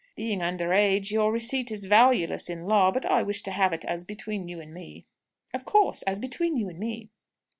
"Being under age, your receipt is valueless in law. But I wish to have it as between you and me." "Of course; as between you and me."